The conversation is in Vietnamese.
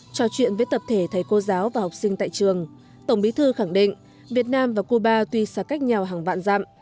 trò chuyện với tập thể thầy cô giáo và học sinh tại trường tổng bí thư khẳng định việt nam và cuba tuy xa cách nhau hàng vạn dặm